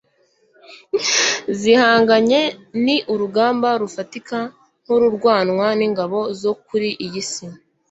zihanganye ni urugamba rufatika nkururwanwa ningabo zo kuri iyi si